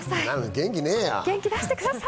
元気ねえよ。